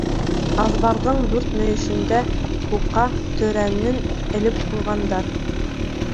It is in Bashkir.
Аҙбарҙың дүрт мөйөшөндә һуҡа төрәнен элеп ҡуйғандар.